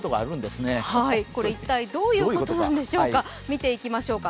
これ、一体どういうことなんでしょうか、見ていきましょう。